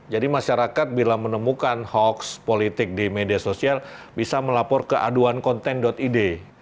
jadi masyarakat bila menemukan hoaks politik di media sosial bisa melapor ke aduan konten id